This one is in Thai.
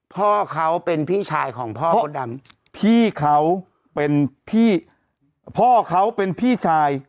พ่อเขาเป็นพี่ชายของพ่อมดดำพี่เขาเป็นพี่พ่อเขาเป็นพี่ชาย